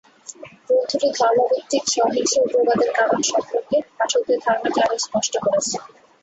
গ্রন্থটি ধর্মভিত্তিক সহিংস উগ্রবাদের কারণ সম্পর্কে পাঠকদের ধারণাকে আরও স্পষ্ট করেছে।